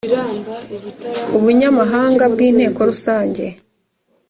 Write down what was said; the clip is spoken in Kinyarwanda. ubunyamabanga bw inteko rusange